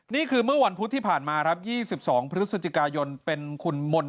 นี่คือเมื่อวันพุธที่ผ่านมาครับ๒๒พฤศจิกายนเป็นคุณมนต์